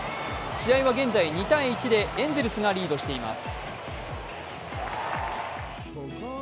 試合は現在２−１でエンゼルスがリードしています。